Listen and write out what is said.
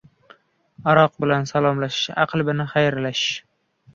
• Aroq bilan salomlashib, aql bilan xayrlash.